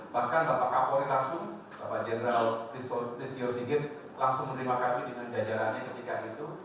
bahkan bapak kapolri langsung bapak jenderal tispostio sigit langsung menerima kami dengan jajarannya ketika itu